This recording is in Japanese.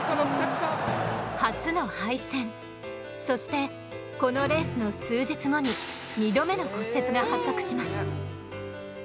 そしてこのレースの数日後に２度目の骨折が発覚します。